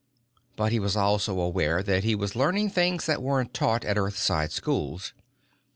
But he was also aware that he was learning things that weren't taught at Earthside schools.